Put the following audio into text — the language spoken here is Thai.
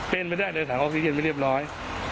เป็นไปได้เลยถังออกซิเจนไปเรียบร้อย